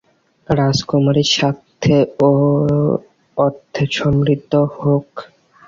রাজকুমারী সাস্থ্যে ও অর্থে সমৃদ্ধ হোক।